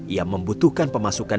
ia membutuhkan pemasukan